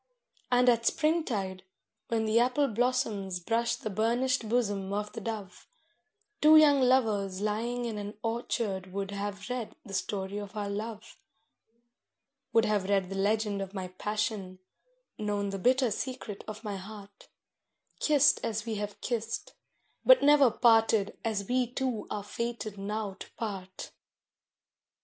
And at springtide, when the apple blossoms brush the burnished bosom of the dove, Two young lovers lying in an orchard would have read the story of our love; Would have read the legend of my passion, known the bitter secret of my heart, Kissed as we have kissed, but never parted as we two are fated now to part.